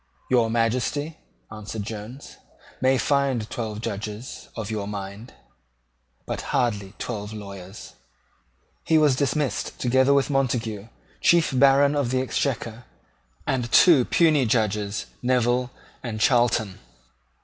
"Your Majesty," answered Jones, "may find twelve Judges of your mind, but hardly twelve lawyers." He was dismissed together with Montague, Chief Baron of the Exchequer, and two puisne Judges, Neville and Charlton.